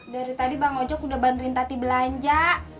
dari tadi bang ojak udah banderin tati belanja